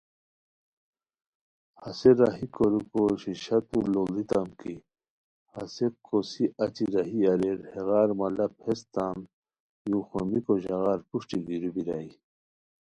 ہسے راہی کوریکو شیشہ تولُوڑیتام کی ہسے کوسی اچی راہی اریر ہیغار مطلب ہیس تان یوخومیکو ژاغار پروشٹی گیرو بیرائے